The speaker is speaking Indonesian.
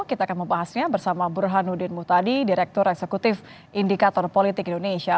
kita akan membahasnya bersama burhanuddin muhtadi direktur eksekutif indikator politik indonesia